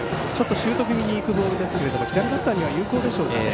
シュート気味にいくボールですが左バッターには有効でしょうか。